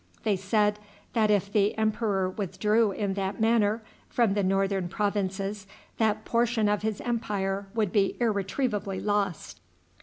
They said that if the emperor withdrew in that manner from the northern provinces that portion of his empire would be irretrievably lost.